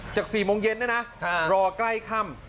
๔โมงเย็นเนี่ยนะรอใกล้ค่ำ